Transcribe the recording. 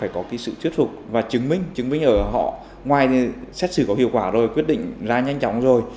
phải có cái sự thuyết phục và chứng minh chứng minh ở họ ngoài xét xử có hiệu quả rồi quyết định là nhanh chóng rồi